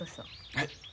はい。